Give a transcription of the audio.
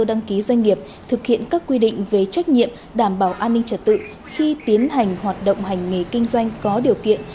đăng ký doanh nghiệp thực hiện các quy định về trách nhiệm đảm bảo an ninh trật tự khi tiến hành hoạt động hành nghề kinh doanh có điều kiện